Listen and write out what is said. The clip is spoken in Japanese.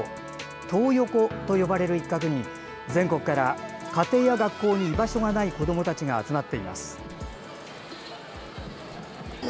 「トー横」と呼ばれる一角に全国から家庭や学校に居場所がない子どもたちが集まっています。